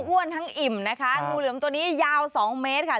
อ้วนทั้งอิ่มนะคะตัวนี้ยาว๒เมตรค่ะ